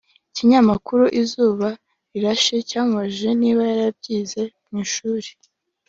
Ikinyamakuru Izuba Rirashe cyamubajije niba yarabyize mu ishuri